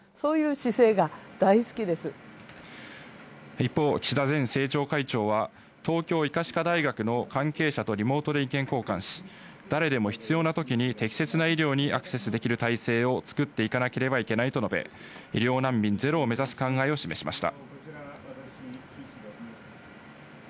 一方、岸田前政調会長は東京医科歯科大学の関係者とリモートで意見交換し、誰でも必要な時に適切な医療にアクセスできる体制を作っていかなければいけないと述べ、医療難民ゼロを目指す考えを示しました。